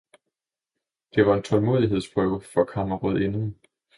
Det var en tålmodighedsprøve for kammerrådinden.